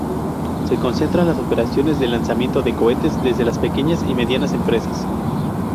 Se concentran las operaciones de lanzamiento de cohetes desde las pequeñas y medianas empresas.